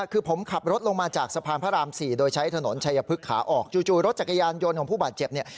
คือผมขับรถลงมาจากสะพานพระราม๔โดยใช้ถนนชัยพฤกษาออกจู่รถจักรยานยนต์ของผู้บาดเจ็บเนี่ย